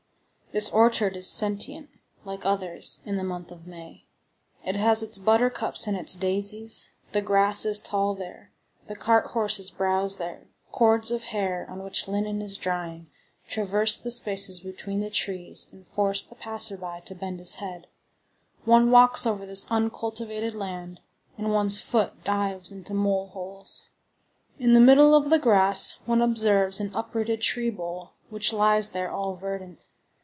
This orchard is sentient, like others, in the month of May. It has its buttercups and its daisies; the grass is tall there; the cart horses browse there; cords of hair, on which linen is drying, traverse the spaces between the trees and force the passer by to bend his head; one walks over this uncultivated land, and one's foot dives into mole holes. In the middle of the grass one observes an uprooted tree bole which lies there all verdant.